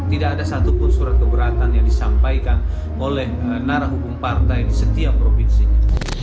tidak ada satupun surat keberatan yang disampaikan oleh narah hukum partai di setiap provinsinya